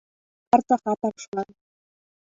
هرڅه ختم شول.